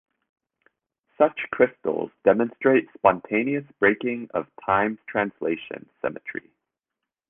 Such crystals demonstrate spontaneous breaking of time translation symmetry.